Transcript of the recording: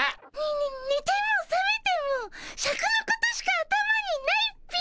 ねねてもさめてもシャクのことしか頭にないっピィ。